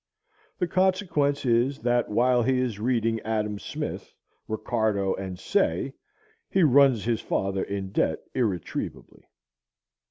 The consequence is, that while he is reading Adam Smith, Ricardo, and Say, he runs his father in debt irretrievably.